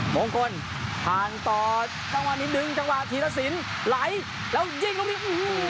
มงคลผ่านต่อจังหวะนิดนึงจังหวะธีรสินไหลแล้วยิงลูกนี้อื้อหือ